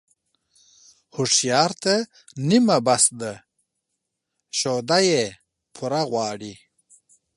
هوښيار ته نيمه بس ده ، شوده يې پوره غواړي.